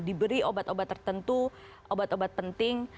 diberi obat obat tertentu obat obat penting